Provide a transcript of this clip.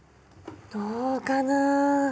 どうかな？